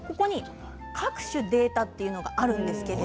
各種データというのがあります。